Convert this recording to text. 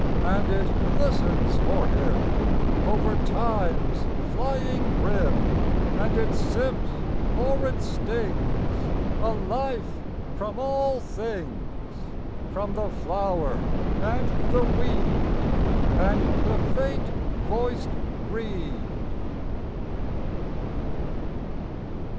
And it listens for Him Over Time's flying rim, And it sips, or it stings, A life from all things From the flower and the weed And the faint voiced reed.